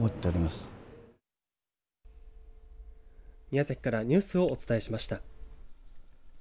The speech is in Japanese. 宮崎からニュースをお伝えしました。